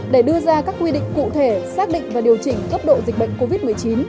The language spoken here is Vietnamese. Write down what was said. để đưa ra các quy định cụ thể xác định và điều chỉnh cấp độ dịch bệnh covid một mươi chín